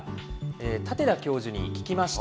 舘田教授に聞きました。